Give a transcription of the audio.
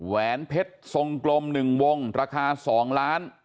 แหวนเพชรทรงกลม๑วงราคา๒ล้าน